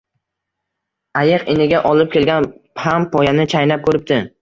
Ayiq iniga olib kelgan ham poyani chaynab ko’ribdi